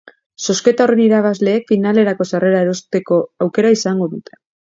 Zozketa horren irabazleek finalerako sarrera erosteko aukera izango dute.